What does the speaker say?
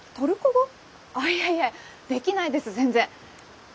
あいえいえできないです全然。